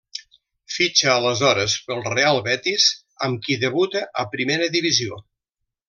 Fitxa aleshores pel Real Betis, amb qui debuta a primera divisió.